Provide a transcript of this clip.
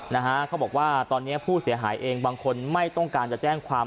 นะฮะเขาบอกว่าตอนนี้ผู้เสียหายเองบางคนไม่ต้องการจะแจ้งความ